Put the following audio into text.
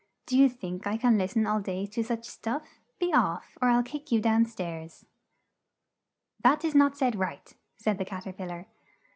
Do you think I can lis ten all day to such stuff? Be off, or I'll kick you down stairs!'" "That is not said right," said the Cat er pil lar.